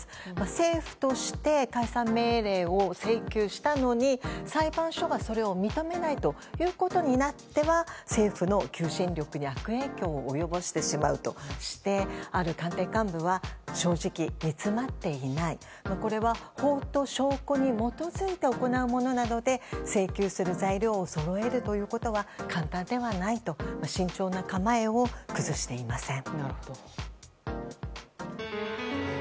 政府として解散命令を請求したのに裁判所が、それを認めないということになっては政府の求心力に悪影響を及ぼしてしまうとしてある官邸幹部は正直、煮詰まっていないこれは法と証拠に基づいて行うものなので請求する材料をそろえるということは簡単ではないと慎重な構えを崩していません。